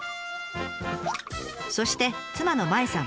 そして妻の麻衣さんも。